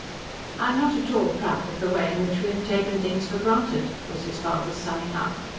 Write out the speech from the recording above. "I am not at all proud of the way in which we have taken things for granted," was his father's summing up.